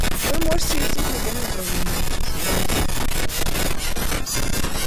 Вы можете лететь в любом направлении, и всегда найдете что-то новое.